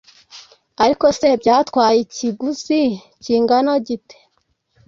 ariko se byari byatwaye ikiguzi kingana gite